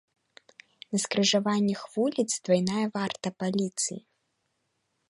На скрыжаваннях вуліц двайная варта паліцыі.